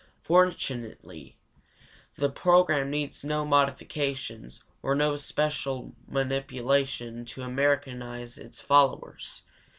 Fortunately, the program needs no modifications or special manipulation to "Americanize" its followers.